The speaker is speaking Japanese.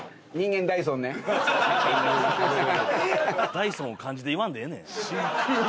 ダイソンを漢字で言わんでええねん。